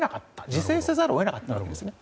自制せざるを得なかったわけですね。